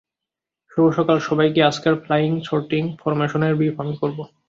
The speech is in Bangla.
শুভ সকাল সবাইকেই আজকের ফ্লাইং সর্টির ফরম্যাশনের ব্রিফ আমি করব।